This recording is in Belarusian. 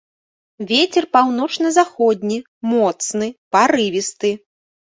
Вецер паўночна-заходні, моцны, парывісты.